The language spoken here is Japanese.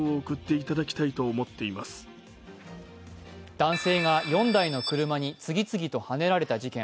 男性が４台の車に次々とはねられた事件。